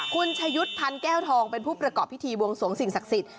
คุณชะยุทธ์พันธ์แก้วทองเป็นผู้ประกอบพิธีบวงสวงสิ่งศักดิ์สิทธิ